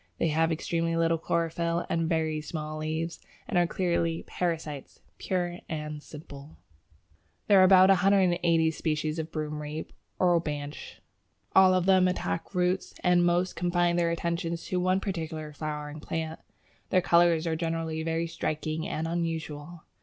They have extremely little chlorophyll and very small leaves, and are clearly parasites "pure and simple." There are about 180 species of Broomrape (Orobanche). All of them attack roots, and most confine their attentions to one particular flowering plant. Their colours are generally very striking and unusual.